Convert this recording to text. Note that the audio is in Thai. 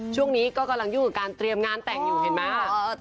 ช่วงนี้ก็กำลังยุ่งกับการเตรียมงานแต่งอยู่เห็นไหม